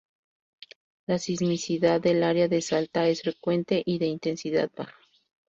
La sismicidad del área de Salta es frecuente y de intensidad baja.